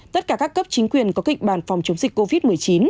tất cả các cấp chính quyền có kịch bản phòng chống dịch covid một mươi chín